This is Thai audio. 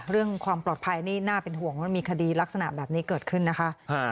เรื่องความปลอดภัยนี่น่าเป็นห่วงว่ามีคดีลักษณะแบบนี้เกิดขึ้นนะคะ